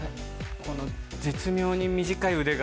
この絶妙に短い腕が。